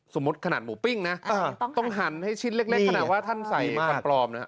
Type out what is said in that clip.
ขนาดหมูปิ้งนะต้องหั่นให้ชิ้นเล็กขนาดว่าท่านใส่คันปลอมนะฮะ